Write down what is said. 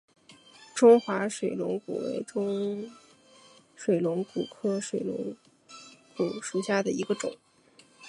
中华水龙骨为水龙骨科水龙骨属下的一个种。